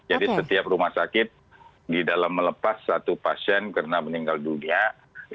jadi setiap rumah sakit di dalam melepas satu pasien karena meninggal dunia itu proses kematiannya